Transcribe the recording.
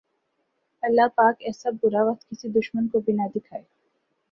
اللہ پاک ایسا برا وقت کسی دشمن کو بھی نہ دکھائے